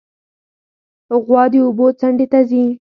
غوا د اوبو څنډې ته ځي.